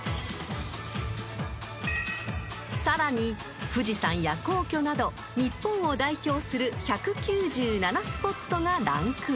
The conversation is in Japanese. ［さらに富士山や皇居など日本を代表する１９７スポットがランクイン］